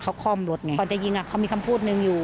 เขาคล่อมรถไงก่อนจะยิงเขามีคำพูดหนึ่งอยู่